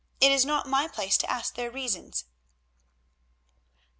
It is not my place to ask their reasons."